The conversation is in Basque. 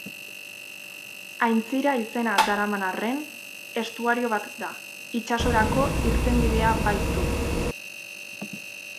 Aintzira izena daraman arren, estuario bat da, itsasorako irtenbidea baitu.